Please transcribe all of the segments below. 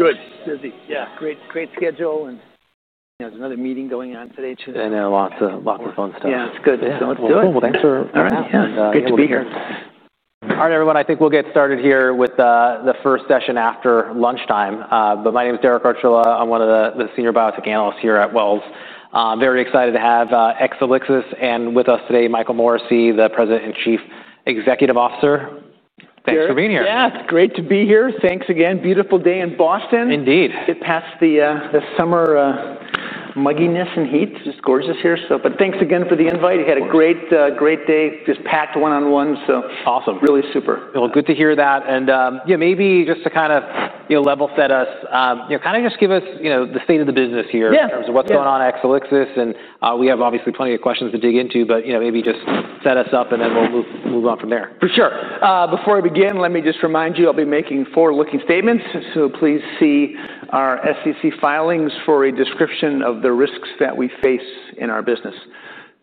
Good. Busy. Yeah. Great, great schedule, and there's another meeting going on today, too. I know. Lots of, lots of fun stuff. Yeah. It's good. Yeah. It's all good. Well, thanks for. Yeah. Yeah. Good to be here. All right, everyone. I think we'll get started here with the first session after lunchtime, but my name is Derek Archila. I'm one of the senior biotech analysts here at Wells. Very excited to have Exelixis, and with us today, Michael Morrissey, the President and Chief Executive Officer. Thanks for being here. Yeah. It's great to be here. Thanks again. Beautiful day in Boston. Indeed. It passed the summer mugginess and heat. It's gorgeous here, but thanks again for the invite. You had a great, great day. Just packed one-on-one. So. Awesome. Really super. Good to hear that. Yeah, maybe just to kind of level set us, kind of just give us the state of the business here in terms of what's going on at Exelixis. We have obviously plenty of questions to dig into, but maybe just set us up and then we'll move on from there. For sure. Before I begin, let me just remind you I'll be making forward-looking statements. So please see our SEC filings for a description of the risks that we face in our business.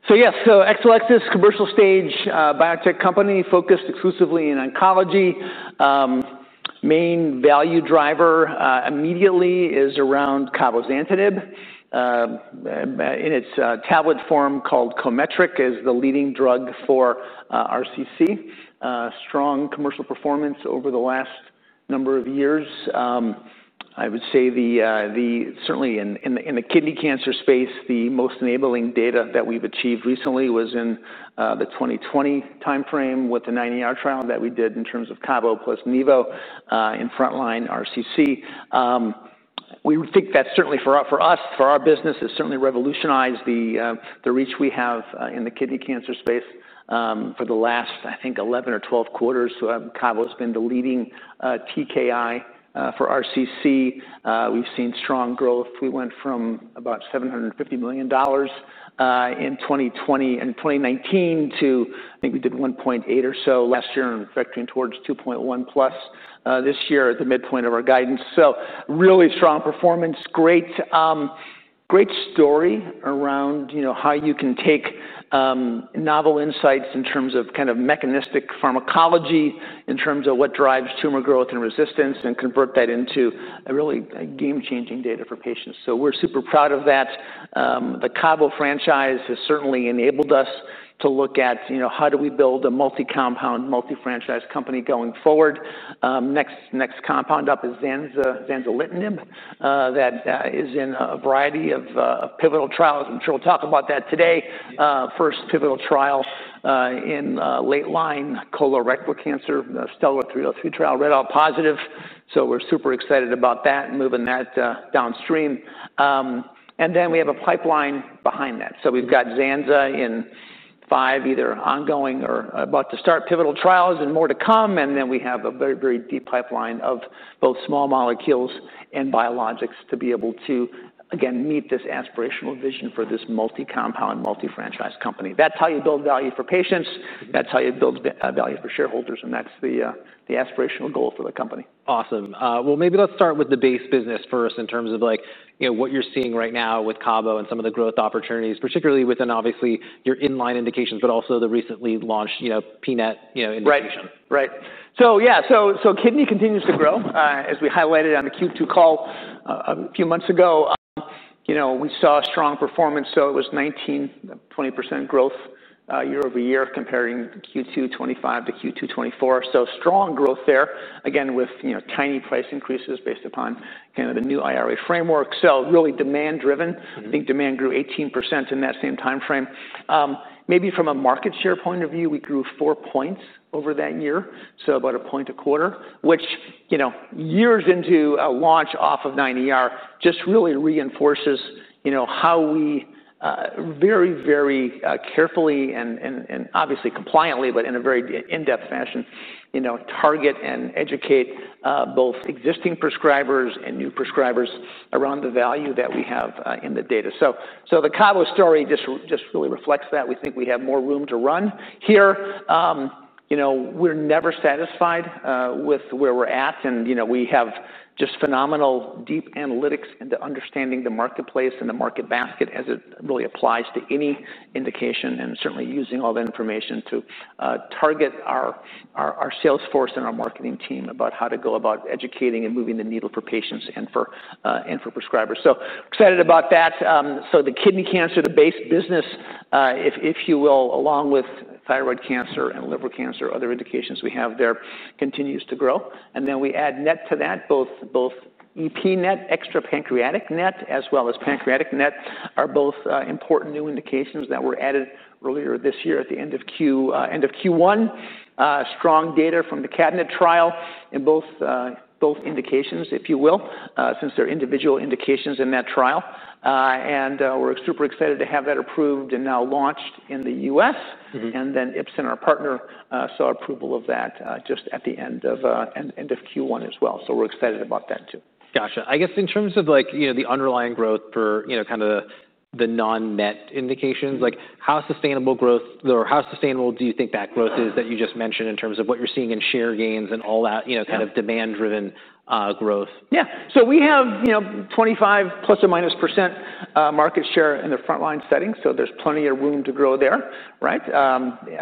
So yes, so Exelixis, commercial stage biotech company focused exclusively in oncology. Main value driver immediately is around cabozantinib in its tablet form called Cometriq as the leading drug for RCC. Strong commercial performance over the last number of years. I would say certainly in the kidney cancer space, the most enabling data that we've achieved recently was in the 2020 timeframe with the 90-hour trial that we did in terms of Cabo plus Nivo in frontline RCC. We think that certainly for us, for our business, has certainly revolutionized the reach we have in the kidney cancer space for the last, I think, 11 or 12 quarters. Cabo has been the leading TKI for RCC. We've seen strong growth. We went from about $750 million in 2019 and 2020 to, I think, $1.8 billion or so last year and factoring towards $2.1 billion plus this year at the midpoint of our guidance, so really strong performance. Great story around how you can take novel insights in terms of kind of mechanistic pharmacology in terms of what drives tumor growth and resistance and convert that into really game-changing data for patients, so we're super proud of that. The Cabo franchise has certainly enabled us to look at how do we build a multi-compound, multi-franchise company going forward. Next compound up is zanzalintinib that is in a variety of pivotal trials. I'm sure we'll talk about that today. First pivotal trial in late line colorectal cancer, STELLAR-303 trial, readout positive, so we're super excited about that and moving that downstream. And then we have a pipeline behind that. So we've got Zenza in five either ongoing or about to start pivotal trials and more to come. And then we have a very, very deep pipeline of both small molecules and biologics to be able to, again, meet this aspirational vision for this multi-compound, multi-franchise company. That's how you build value for patients. That's how you build value for shareholders. And that's the aspirational goal for the company. Awesome. Well, maybe let's start with the base business first in terms of what you're seeing right now with Cabo and some of the growth opportunities, particularly within obviously your in-line indications, but also the recently launched pNET indication. Right. Right. So yeah. So kidney continues to grow. As we highlighted on the Q2 call a few months ago, we saw strong performance. So it was 19-20% growth year over year comparing Q2 2025 to Q2 2024. So strong growth there. Again, with tiny price increases based upon kind of the new IRA framework. So really demand-driven. I think demand grew 18% in that same timeframe. Maybe from a market share point of view, we grew four points over that year. So about a point a quarter, which years into a launch off of 9ER just really reinforces how we very, very carefully and obviously compliantly, but in a very in-depth fashion, target and educate both existing prescribers and new prescribers around the value that we have in the data. So the Cabo story just really reflects that. We think we have more room to run here. We're never satisfied with where we're at. And we have just phenomenal deep analytics into understanding the marketplace and the market basket as it really applies to any indication and certainly using all that information to target our salesforce and our marketing team about how to go about educating and moving the needle for patients and for prescribers. So excited about that. So the kidney cancer, the base business, if you will, along with thyroid cancer and liver cancer, other indications we have there continues to grow. And then we add NET to that. Both epNET, extra-pancreatic NET, as well as pNET are both important new indications that were added earlier this year at the end of Q1. Strong data from the CABINET trial in both indications, if you will, since they're individual indications in that trial. And we're super excited to have that approved and now launched in the U.S. And then Ipsen, our partner, saw approval of that just at the end of Q1 as well. So we're excited about that too. Gotcha. I guess in terms of the underlying growth for kind of the non-NET indications, how sustainable growth or how sustainable do you think that growth is that you just mentioned in terms of what you're seeing in share gains and all that kind of demand-driven growth? Yeah. So we have 25% plus or minus market share in the frontline setting. So there's plenty of room to grow there. Right.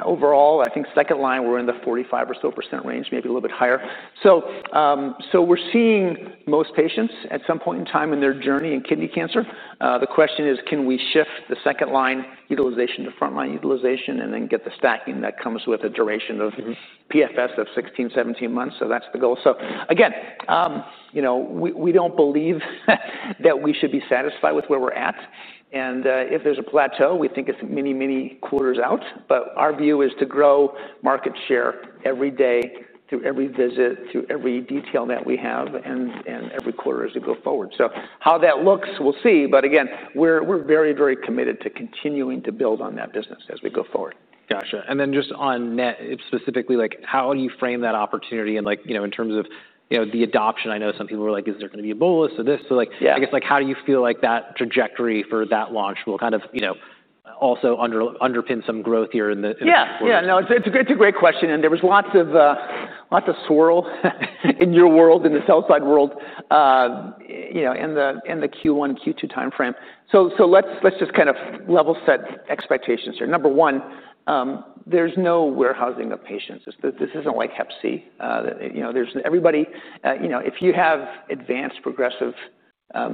Overall, I think second line, we're in the 45% or so range, maybe a little bit higher. So we're seeing most patients at some point in time in their journey in kidney cancer. The question is, can we shift the second line utilization to frontline utilization and then get the stacking that comes with a duration of PFS of 16-17 months? So that's the goal. So again, we don't believe that we should be satisfied with where we're at. And if there's a plateau, we think it's many, many quarters out. But our view is to grow market share every day through every visit, through every detail that we have and every quarter as we go forward. So how that looks, we'll see. But again, we're very, very committed to continuing to build on that business as we go forward. Gotcha. And then just on NET specifically, how do you frame that opportunity in terms of the adoption? I know some people were like, is there going to be a bolus or this? So I guess how do you feel like that trajectory for that launch will kind of also underpin some growth here in the next four years? Yeah. Yeah. No, it's a great question. And there was lots of swirl in your world, in the sell-side world in the Q1, Q2 timeframe. So let's just kind of level set expectations here. Number one, there's no warehousing of patients. This isn't like Hep C. If you have advanced progressive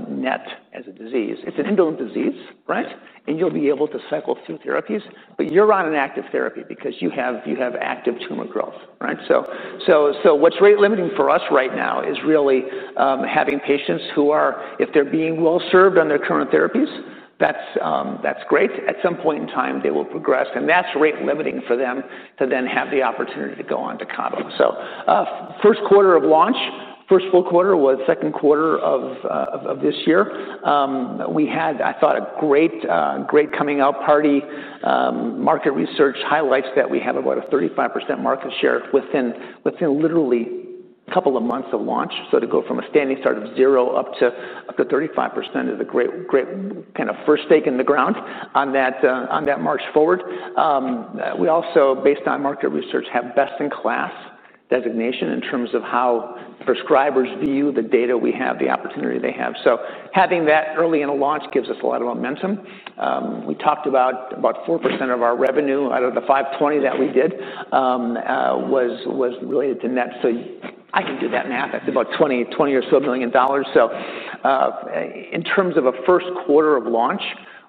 NET as a disease, it's an indolent disease, right? And you'll be able to cycle through therapies. But you're on an active therapy because you have active tumor growth. Right. So what's rate limiting for us right now is really having patients who are, if they're being well served on their current therapies, that's great. At some point in time, they will progress. And that's rate limiting for them to then have the opportunity to go on to Cabo. So first quarter of launch, first full quarter was second quarter of this year. We had, I thought, a great coming out party. Market research highlights that we have about a 35% market share within literally a couple of months of launch. So to go from a standing start of zero up to 35% is a great kind of first stake in the ground on that march forward. We also, based on market research, have best-in-class designation in terms of how prescribers view the data we have, the opportunity they have. So having that early in a launch gives us a lot of momentum. We talked about 4% of our revenue out of the $520 million that we did was related to NET. So I can do that math. That's about $20 million. In terms of a first quarter of launch,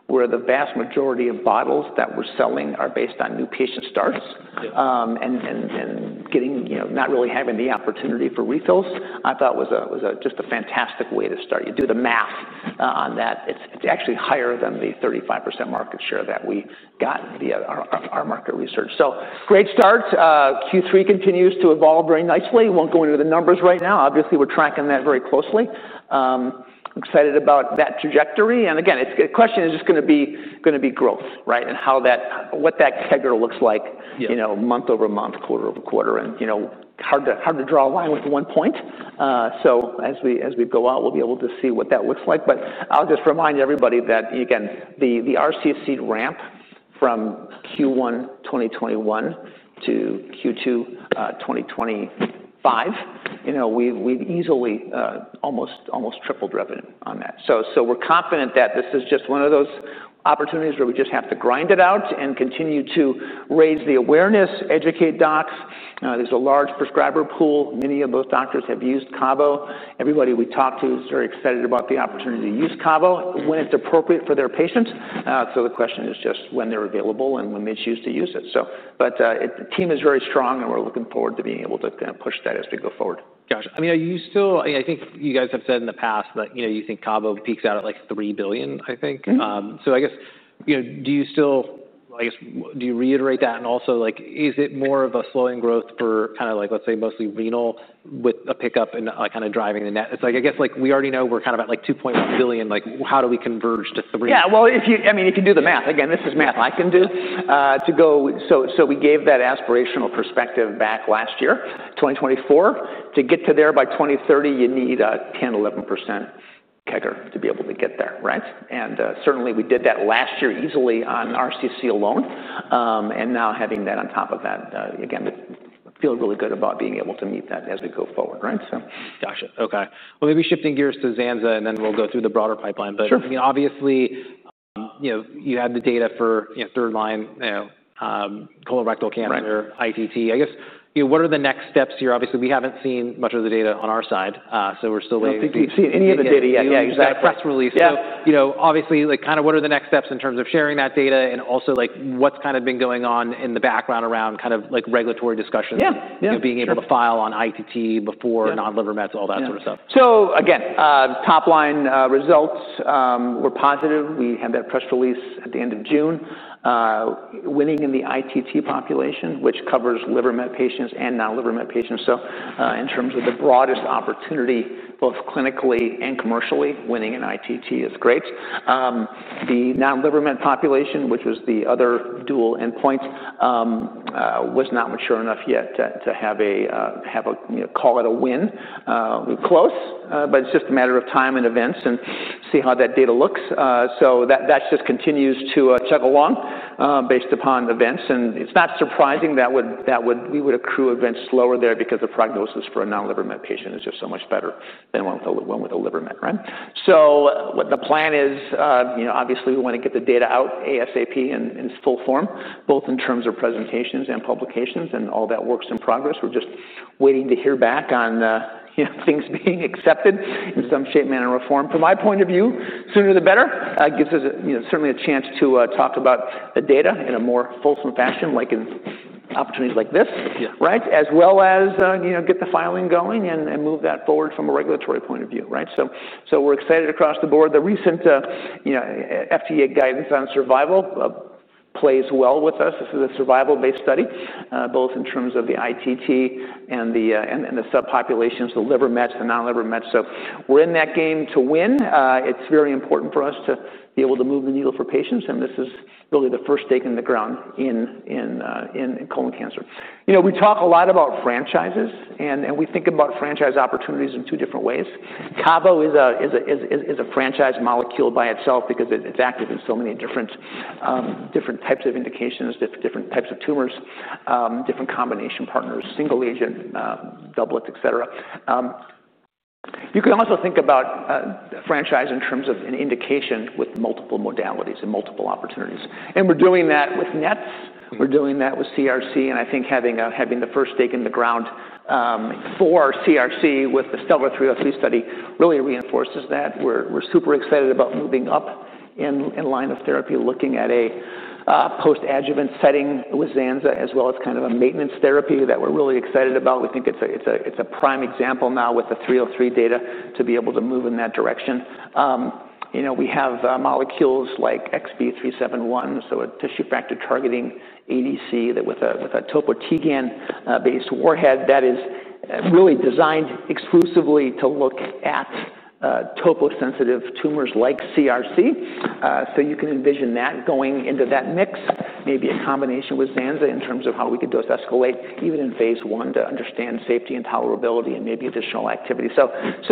where the vast majority of bottles that we're selling are based on new patient starts and not really having the opportunity for refills, I thought was just a fantastic way to start. You do the math on that. It's actually higher than the 35% market share that we got via our market research. So great start. Q3 continues to evolve very nicely. Won't go into the numbers right now. Obviously, we're tracking that very closely. Excited about that trajectory. And again, the question is just going to be growth, right, and what that figure looks like month over month, quarter over quarter. And hard to draw a line with one point. So as we go out, we'll be able to see what that looks like. I'll just remind everybody that, again, the RCC ramp from Q1 2021 to Q2 2025, we've easily almost tripled revenue on that. We're confident that this is just one of those opportunities where we just have to grind it out and continue to raise the awareness, educate docs. There's a large prescriber pool. Many of those doctors have used Cabo. Everybody we talk to is very excited about the opportunity to use Cabo when it's appropriate for their patients. The question is just when they're available and when they choose to use it. The team is very strong and we're looking forward to being able to push that as we go forward. Gotcha. I mean, are you still, I think you guys have said in the past that you think Cabo peaks out at like $3 billion, I think. So I guess, do you still, I guess, do you reiterate that? And also, is it more of a slowing growth for kind of like, let's say, mostly renal with a pickup and kind of driving the NET? It's like, I guess we already know we're kind of at like $2.1 billion. How do we converge to $3 billion? Yeah. Well, I mean, you can do the math. Again, this is math I can do to go. So we gave that aspirational perspective back last year, 2024. To get there by 2030, you need a 10%-11% kicker to be able to get there. Right. And certainly we did that last year easily on RCC alone. And now having that on top of that, again, feel really good about being able to meet that as we go forward. Right. Gotcha. Okay, well, maybe shifting gears to Zenza and then we'll go through the broader pipeline, but obviously, you had the data for third line colorectal cancer, ITT. I guess what are the next steps here? Obviously, we haven't seen much of the data on our side, so we're still waiting to see. No, we haven't seen any of the data yet. Yeah, exactly. Press release. So obviously, kind of what are the next steps in terms of sharing that data and also what's kind of been going on in the background around kind of regulatory discussions of being able to file on ITT before non-liver mets, all that sort of stuff? So again, top line results were positive. We had that press release at the end of June, winning in the ITT population, which covers liver met patients and non-liver met patients. So in terms of the broadest opportunity, both clinically and commercially, winning in ITT is great. The non-liver met population, which was the other dual endpoint, was not mature enough yet to call it a win. We're close, but it's just a matter of time and events and see how that data looks. So that just continues to chug along based upon events. And it's not surprising that we would accrue events slower there because the prognosis for a non-liver met patient is just so much better than one with a liver met. Right. So the plan is, obviously, we want to get the data out ASAP in full form, both in terms of presentations and publications and all that works in progress. We're just waiting to hear back on things being accepted in some shape, manner, or form. From my point of view, sooner the better. It gives us certainly a chance to talk about the data in a more fulsome fashion, like in opportunities like this, right, as well as get the filing going and move that forward from a regulatory point of view. Right. So we're excited across the board. The recent FDA guidance on survival plays well with us. This is a survival-based study, both in terms of the ITT and the subpopulations, the liver mets, the non-liver mets. So we're in that game to win. It's very important for us to be able to move the needle for patients. This is really the first stake in the ground in colon cancer. We talk a lot about franchises, and we think about franchise opportunities in two different ways. Cabo is a franchise molecule by itself because it's active in so many different types of indications, different types of tumors, different combination partners, single agent, doublet, etc. You can also think about franchise in terms of an indication with multiple modalities and multiple opportunities. We're doing that with NETs. We're doing that with CRC. I think having the first stake in the ground for CRC with the STELLAR-303 study really reinforces that. We're super excited about moving up in line of therapy, looking at a post-adjuvant setting with Zenza, as well as kind of a maintenance therapy that we're really excited about. We think it's a prime example now with the 303 data to be able to move in that direction. We have molecules like XB371, so a tissue factor targeting ADC with a topotecan-based warhead that is really designed exclusively to look at topoisomerase-sensitive tumors like CRC. So you can envision that going into that mix, maybe a combination with Zenza in terms of how we could dose escalate, even in phase 1 to understand safety and tolerability and maybe additional activity. So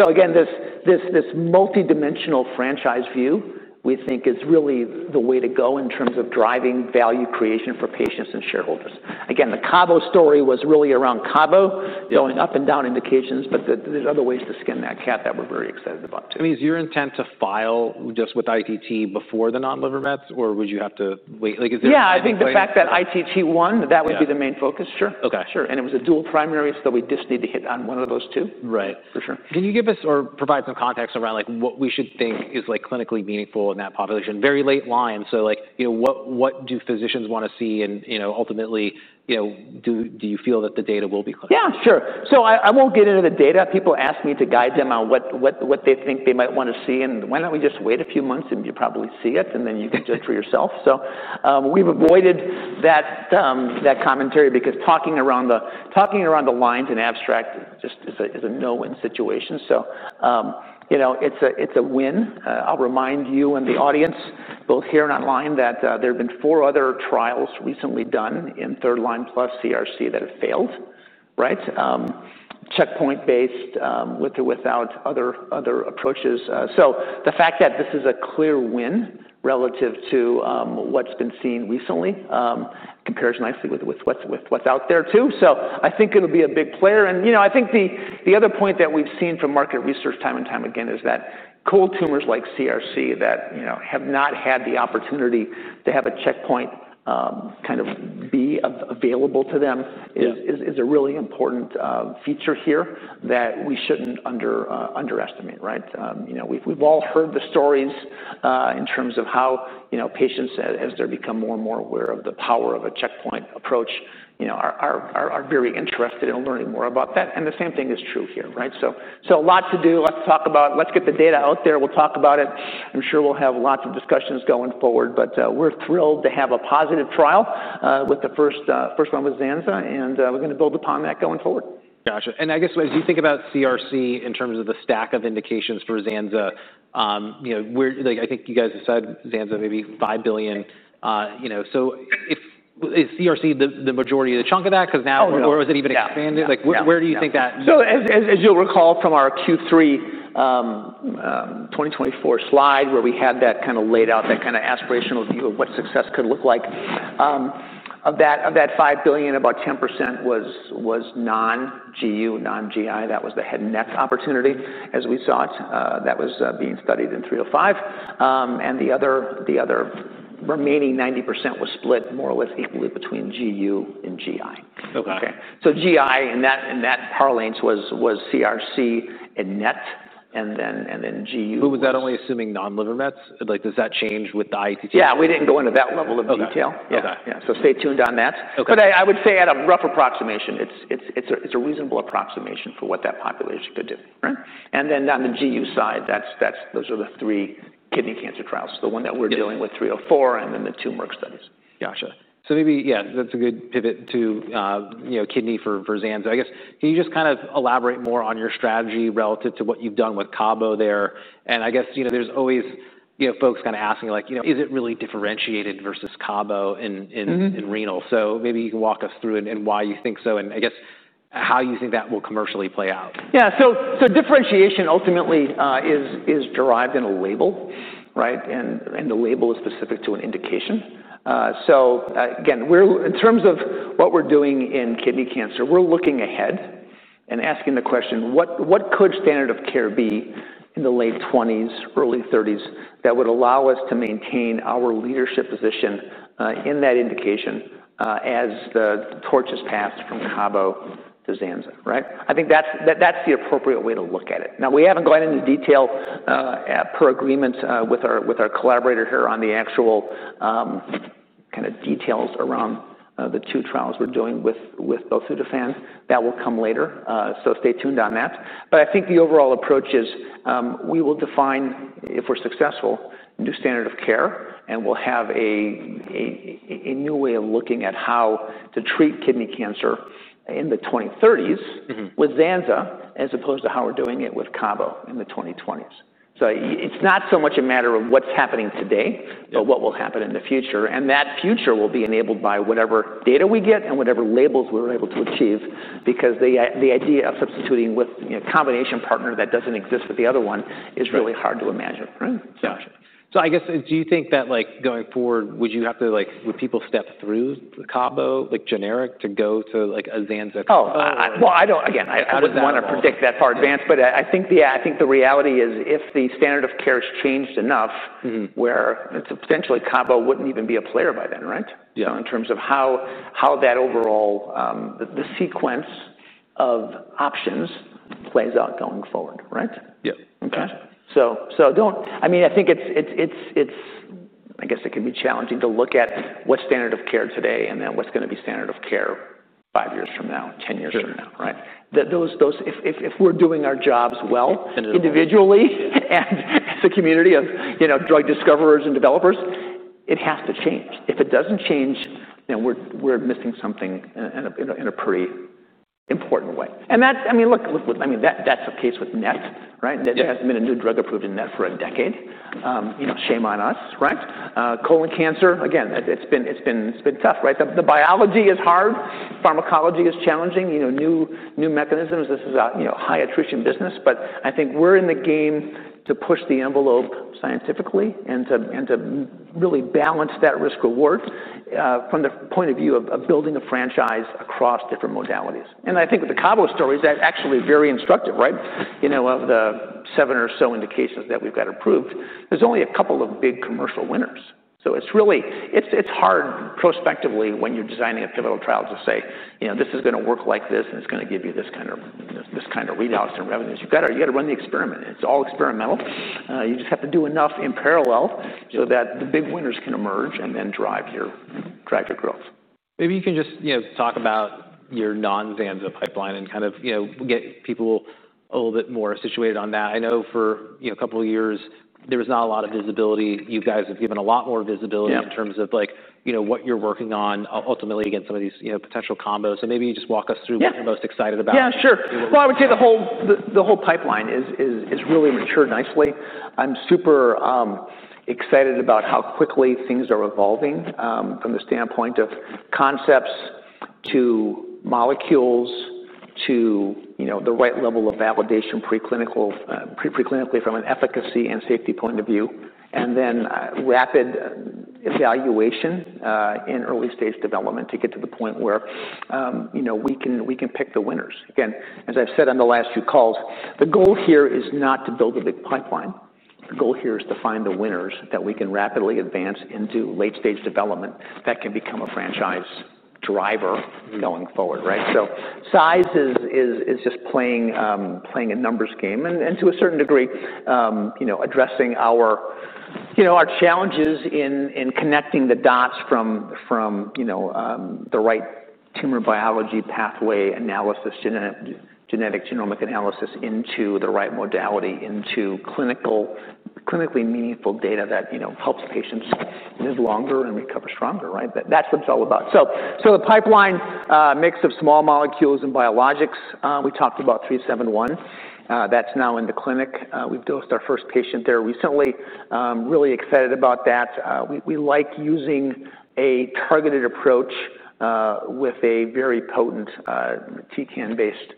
again, this multidimensional franchise view, we think, is really the way to go in terms of driving value creation for patients and shareholders. Again, the Cabo story was really around Cabo, going up and down indications, but there's other ways to skin that cat that we're very excited about. I mean, is your intent to file just with ITT before the non-liver mets, or would you have to wait? Yeah. I think the fact that ITT won, that would be the main focus. Sure. Sure. And it was a dual primary, so we just need to hit on one of those two. Right. Can you give us or provide some context around what we should think is clinically meaningful in that population? Very late line. So what do physicians want to see? And ultimately, do you feel that the data will be clear? Yeah, sure. So I won't get into the data. People ask me to guide them on what they think they might want to see. And why don't we just wait a few months and you probably see it, and then you can judge for yourself. So we've avoided that commentary because talking around the lines in abstract just is a no-win situation. So it's a win. I'll remind you and the audience, both here and online, that there have been four other trials recently done in third line plus CRC that have failed, right, checkpoint-based with or without other approaches. So the fact that this is a clear win relative to what's been seen recently compares nicely with what's out there too. So I think it'll be a big player. And I think the other point that we've seen from market research time and time again is that cold tumors like CRC that have not had the opportunity to have a checkpoint kind of be available to them is a really important feature here that we shouldn't underestimate. Right. We've all heard the stories in terms of how patients, as they're becoming more and more aware of the power of a checkpoint approach, are very interested in learning more about that. And the same thing is true here. Right. So a lot to do, a lot to talk about. Let's get the data out there. We'll talk about it. I'm sure we'll have lots of discussions going forward, but we're thrilled to have a positive trial with the first one with Zenza, and we're going to build upon that going forward. Gotcha. And I guess as you think about CRC in terms of the stack of indications for Zenza, I think you guys have said Zenza maybe $5 billion. So is CRC the majority of the chunk of that? Because now, or was it even expanded? Where do you think that? As you'll recall from our Q3 2024 slide, where we had that kind of laid out, that kind of aspirational view of what success could look like, of that $5 billion, about 10% was non-GU, non-GI. That was the head and neck opportunity as we saw it. That was being studied in 305. And the other remaining 90% was split more or less equally between GU and GI. Okay, so GI in that parlance was CRC and NET, and then GU. But was that only assuming non-liver mets? Does that change with the ITT? Yeah. We didn't go into that level of detail. Yeah. So stay tuned on that. But I would say at a rough approximation, it's a reasonable approximation for what that population could do. Right. And then on the GU side, those are the three kidney cancer trials. The one that we're dealing with, 304, and then the tumor studies. Gotcha. So maybe, yeah, that's a good pivot to kidney for Zenza. I guess can you just kind of elaborate more on your strategy relative to what you've done with Cabo there? And I guess there's always folks kind of asking like, is it really differentiated versus Cabo in renal? So maybe you can walk us through and why you think so, and I guess how you think that will commercially play out? Yeah. So differentiation ultimately is derived in a label, right? And the label is specific to an indication. So, again, in terms of what we're doing in kidney cancer, we're looking ahead and asking the question, what could standard of care be in the late 20s, early 30s that would allow us to maintain our leadership position in that indication as the torch is passed from Cabo to Zenza? Right. I think that's the appropriate way to look at it. Now, we haven't gone into detail per agreement with our collaborator here on the actual kind of details around the two trials we're doing with Belzutifan. That will come later. So stay tuned on that. But I think the overall approach is we will define, if we're successful, new standard of care, and we'll have a new way of looking at how to treat kidney cancer in the 2030s with Zenza as opposed to how we're doing it with Cabo in the 2020s. So it's not so much a matter of what's happening today, but what will happen in the future. And that future will be enabled by whatever data we get and whatever labels we're able to achieve, because the idea of substituting with a combination partner that doesn't exist with the other one is really hard to imagine. Gotcha. So I guess, do you think that going forward, would you have to, would people step through the Cabo generic to go to a Zenza? Oh, well, again, I wouldn't want to predict that far advanced, but I think the reality is if the standard of care has changed enough where potentially Cabo wouldn't even be a player by then, right? So in terms of how that overall, the sequence of options plays out going forward. Right. Yeah. I mean, I think it's, I guess it can be challenging to look at what standard of care today and then what's going to be standard of care five years from now, ten years from now. Right. If we're doing our jobs well individually and as a community of drug discoverers and developers, it has to change. If it doesn't change, then we're missing something in a pretty important way. And I mean, look, I mean, that's the case with NET, right? That hasn't been a new drug approved in NET for a decade. Shame on us. Right. Colon cancer, again, it's been tough. Right. The biology is hard. Pharmacology is challenging. New mechanisms. This is a high attrition business, but I think we're in the game to push the envelope scientifically and to really balance that risk-reward from the point of view of building a franchise across different modalities, and I think with the Cabo story, that's actually very instructive. Right. Of the seven or so indications that we've got approved, there's only a couple of big commercial winners, so it's hard prospectively when you're designing a pivotal trial to say, this is going to work like this, and it's going to give you this kind of readouts and revenues. You got to run the experiment. It's all experimental. You just have to do enough in parallel so that the big winners can emerge and then drive your trajectory growth. Maybe you can just talk about your non-Zenza pipeline and kind of get people a little bit more situated on that. I know for a couple of years, there was not a lot of visibility. You guys have given a lot more visibility in terms of what you're working on ultimately against some of these potential combos. So maybe you just walk us through what you're most excited about. Yeah, sure. Well, I would say the whole pipeline is really matured nicely. I'm super excited about how quickly things are evolving from the standpoint of concepts to molecules to the right level of validation preclinically from an efficacy and safety point of view, and then rapid evaluation in early stage development to get to the point where we can pick the winners. Again, as I've said on the last few calls, the goal here is not to build a big pipeline. The goal here is to find the winners that we can rapidly advance into late stage development that can become a franchise driver going forward. Right. So size is just playing a numbers game and to a certain degree addressing our challenges in connecting the dots from the right tumor biology pathway analysis, genetic genomic analysis into the right modality into clinically meaningful data that helps patients live longer and recover stronger. Right. That's what it's all about. So the pipeline mix of small molecules and biologics. We talked about 371. That's now in the clinic. We've dosed our first patient there recently. Really excited about that. We like using a targeted approach with a very potent TCAN-based,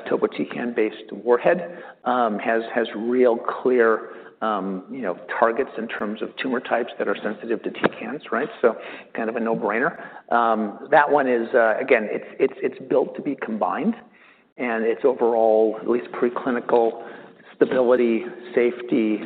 topotecan-based warhead. Has real clear targets in terms of tumor types that are sensitive to TCANs. Right. So kind of a no-brainer. That one is, again, it's built to be combined, and it's overall, at least preclinical stability, safety,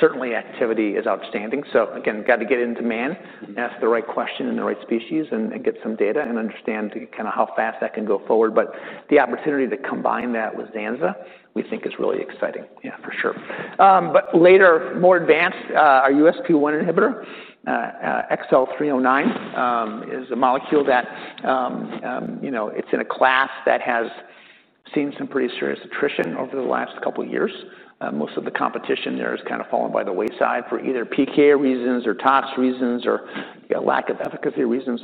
certainly activity is outstanding. So again, got to get an IND, ask the right question in the right species, and get some data and understand kind of how fast that can go forward. But the opportunity to combine that with Zenza, we think is really exciting. Yeah, for sure. But later, more advanced, our USP1 inhibitor, XL309, is a molecule that's in a class that has seen some pretty serious attrition over the last couple of years. Most of the competition there has kind of fallen by the wayside for either PK reasons or tox reasons or lack of efficacy reasons.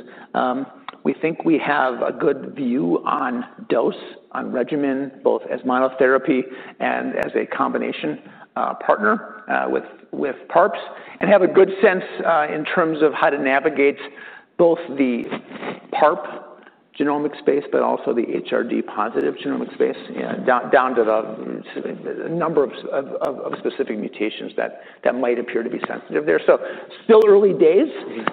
We think we have a good view on dose, on regimen, both as monotherapy and as a combination partner with PARPs, and have a good sense in terms of how to navigate both the PARP genomic space, but also the HRD positive genomic space down to the number of specific mutations that might appear to be sensitive there. So still early days,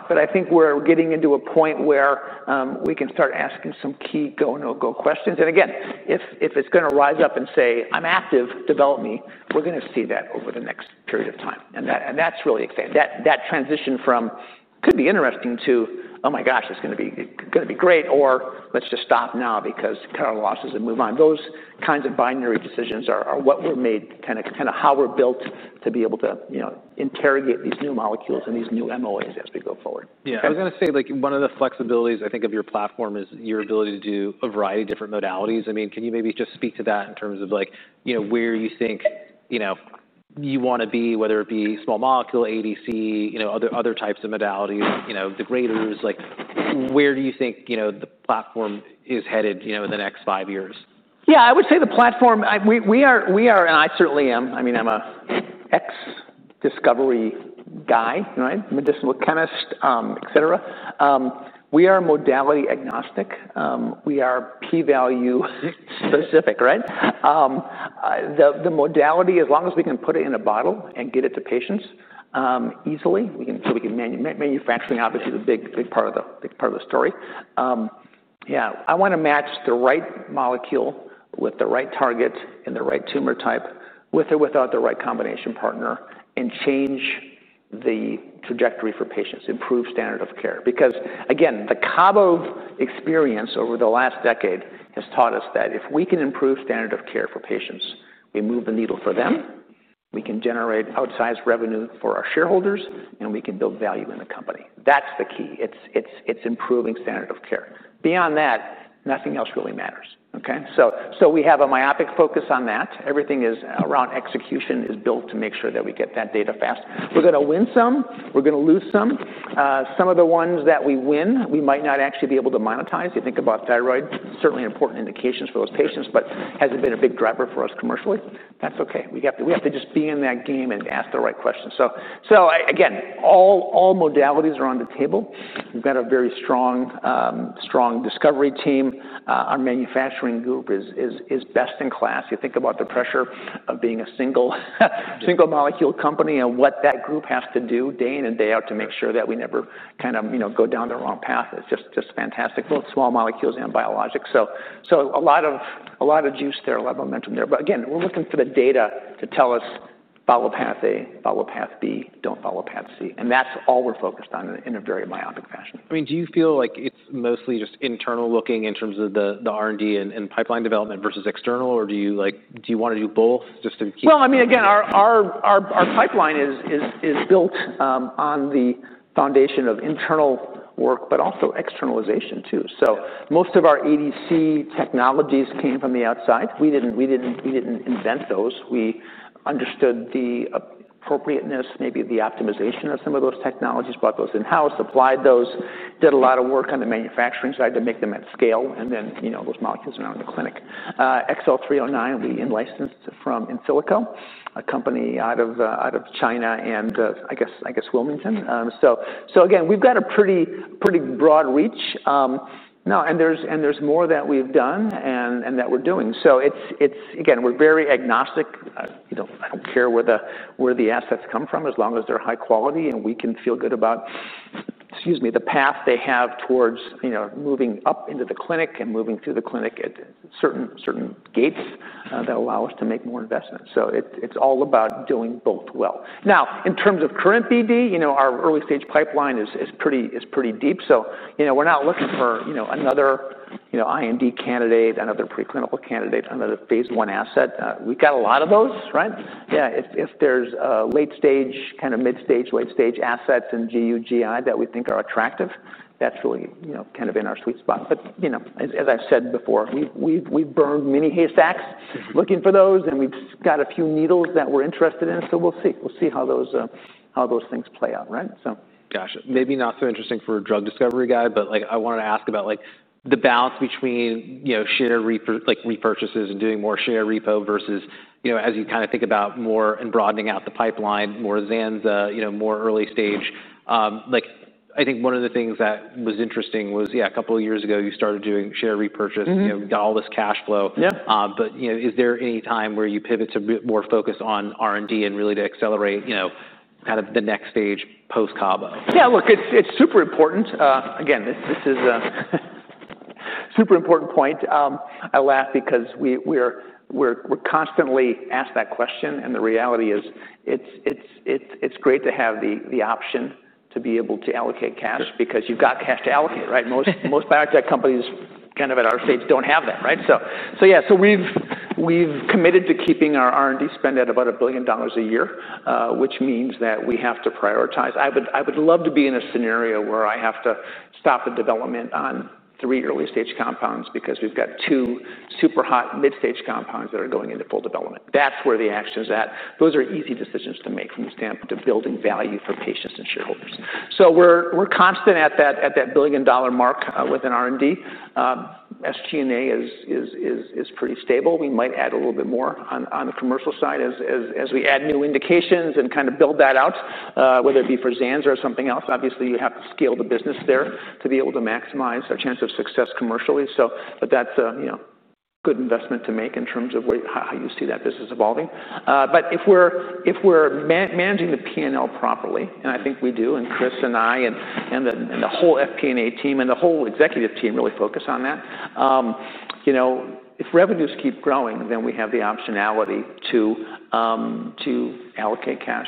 but I think we're getting into a point where we can start asking some key go-no-go questions. And again, if it's going to rise up and say, "I'm active, develop me," we're going to see that over the next period of time. And that's really exciting. That transition from could be interesting to, "Oh my gosh, it's going to be great," or, "Let's just stop now because kind of losses and move on." Those kinds of binary decisions are what we're made, kind of how we're built to be able to interrogate these new molecules and these new MOAs as we go forward. Yeah. I was going to say one of the flexibilities, I think, of your platform is your ability to do a variety of different modalities. I mean, can you maybe just speak to that in terms of where you think you want to be, whether it be small molecule, ADC, other types of modalities, the degraders? Where do you think the platform is headed in the next five years? Yeah. I would say the platform, we are, and I certainly am. I mean, I'm an ex-discovery guy, right? Medicinal chemist, etc. We are modality agnostic. We are P-value specific. Right. The modality, as long as we can put it in a bottle and get it to patients easily, so we can manufacture. Obviously, the big part of the story. Yeah. I want to match the right molecule with the right target and the right tumor type, with or without the right combination partner, and change the trajectory for patients, improve standard of care. Because again, the Cabo experience over the last decade has taught us that if we can improve standard of care for patients, we move the needle for them. We can generate outsized revenue for our shareholders, and we can build value in the company. That's the key. It's improving standard of care. Beyond that, nothing else really matters. Okay. So we have a myopic focus on that. Everything around execution is built to make sure that we get that data fast. We're going to win some. We're going to lose some. Some of the ones that we win, we might not actually be able to monetize. You think about thyroid, certainly important indications for those patients, but hasn't been a big driver for us commercially. That's okay. We have to just be in that game and ask the right questions. So again, all modalities are on the table. We've got a very strong discovery team. Our manufacturing group is best in class. You think about the pressure of being a single molecule company and what that group has to do day in and day out to make sure that we never kind of go down the wrong path. It's just fantastic, both small molecules and biologics. So a lot of juice there, a lot of momentum there. But again, we're looking for the data to tell us follow path A, follow path B, don't follow path C. And that's all we're focused on in a very myopic fashion. I mean, do you feel like it's mostly just internal looking in terms of the R&D and pipeline development versus external, or do you want to do both just to keep? Well, I mean, again, our pipeline is built on the foundation of internal work, but also externalization too. So most of our ADC technologies came from the outside. We didn't invent those. We understood the appropriateness, maybe the optimization of some of those technologies, brought those in-house, applied those, did a lot of work on the manufacturing side to make them at scale, and then those molecules are now in the clinic. XL309, we licensed from Insilico, a company out of China and I guess Wilmington. So again, we've got a pretty broad reach. And there's more that we've done and that we're doing. So again, we're very agnostic. I don't care where the assets come from as long as they're high quality and we can feel good about, excuse me, the path they have towards moving up into the clinic and moving through the clinic at certain gates that allow us to make more investments. So it's all about doing both well. Now, in terms of current BD, our early stage pipeline is pretty deep. So we're not looking for another IND candidate, another preclinical candidate, another phase one asset. We've got a lot of those. Right. Yeah. If there's late stage, kind of mid stage, late stage assets in GU, GI that we think are attractive, that's really kind of in our sweet spot. But as I said before, we've burned many haystacks looking for those, and we've got a few needles that we're interested in. So we'll see. We'll see how those things play out. Right. Gotcha. Maybe not so interesting for a drug discovery guy, but I wanted to ask about the balance between share repurchases and doing more share repo versus as you kind of think about more and broadening out the pipeline, more Zenza, more early stage. I think one of the things that was interesting was, yeah, a couple of years ago you started doing share repurchase, got all this cash flow. But is there any time where you pivot to more focus on R&D and really to accelerate kind of the next stage post-Cabo? Yeah. Look, it's super important. Again, this is a super important point. I laugh because we're constantly asked that question, and the reality is it's great to have the option to be able to allocate cash because you've got cash to allocate. Right. Most biotech companies kind of at our stage don't have that. Right. So yeah, so we've committed to keeping our R&D spend at about $1 billion a year, which means that we have to prioritize. I would love to be in a scenario where I have to stop the development on three early stage compounds because we've got two super hot mid stage compounds that are going into full development. That's where the action's at. Those are easy decisions to make from the standpoint of building value for patients and shareholders. So we're constant at that $1 billion mark within R&D. SG&A is pretty stable. We might add a little bit more on the commercial side as we add new indications and kind of build that out, whether it be for Zanza or something else. Obviously, you have to scale the business there to be able to maximize our chance of success commercially. But that's a good investment to make in terms of how you see that business evolving. But if we're managing the P&L properly, and I think we do, and Chris and I and the whole FP&A team and the whole executive team really focus on that, if revenues keep growing, then we have the optionality to allocate cash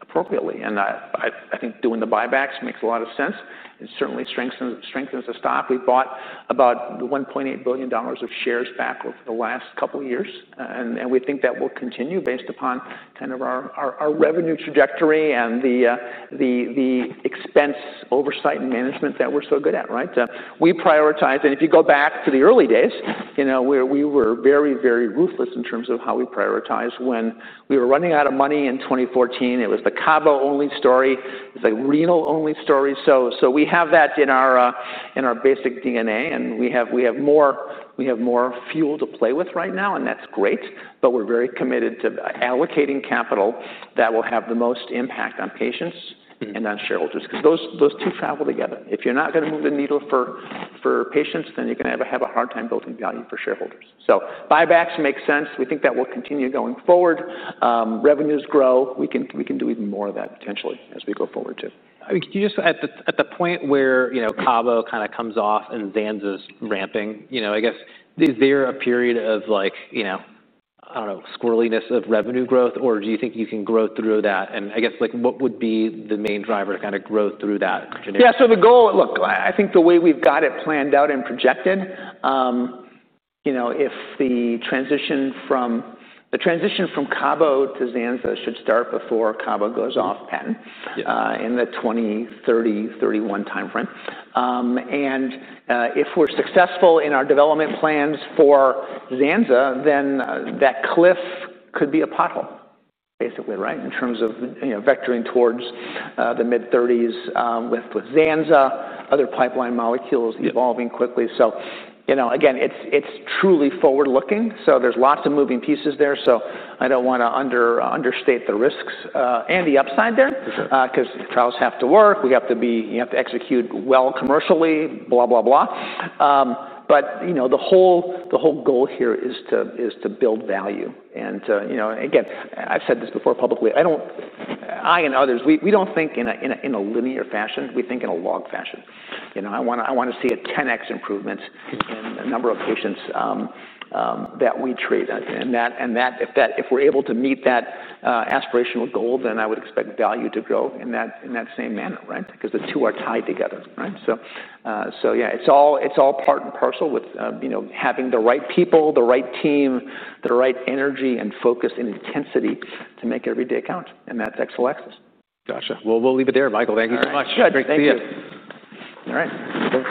appropriately. And I think doing the buybacks makes a lot of sense. It certainly strengthens the stock. We bought about $1.8 billion of shares back over the last couple of years, and we think that will continue based upon kind of our revenue trajectory and the expense oversight and management that we're so good at. Right. We prioritize. And if you go back to the early days, we were very, very ruthless in terms of how we prioritize. When we were running out of money in 2014, it was the Cabo only story. It's a renal only story. So we have that in our basic DNA, and we have more fuel to play with right now, and that's great. But we're very committed to allocating capital that will have the most impact on patients and on shareholders because those two travel together. If you're not going to move the needle for patients, then you're going to have a hard time building value for shareholders. So buybacks make sense. We think that will continue going forward. Revenues grow. We can do even more of that potentially as we go forward too. I mean, could you just at the point where Cabo kind of comes off and Zanza's ramping, I guess, is there a period of, I don't know, squirreliness of revenue growth, or do you think you can grow through that, and I guess what would be the main driver to kind of grow through that? Yeah. So the goal, look, I think the way we've got it planned out and projected, if the transition from Cabo to Zanza should start before Cabo goes off patent in the 2030-31 timeframe, and if we're successful in our development plans for Zanza, then that cliff could be a pothole, basically, right. In terms of vectoring towards the mid-30s with Zanza, other pipeline molecules evolving quickly, so again, it's truly forward looking, so there's lots of moving pieces there, so I don't want to understate the risks and the upside there because trials have to work. We have to execute well commercially, blah, blah, blah. But the whole goal here is to build value, and again, I've said this before publicly, I and others, we don't think in a linear fashion. We think in a log fashion. I want to see a 10x improvement in the number of patients that we treat, and if we're able to meet that aspirational goal, then I would expect value to grow in that same manner. Right. Because the two are tied together. Right, so yeah, it's all part and parcel with having the right people, the right team, the right energy and focus and intensity to make every day count, and that's Exelixis. Gotcha. Well, we'll leave it there. Michael, thank you so much. Good. Thank you. All right.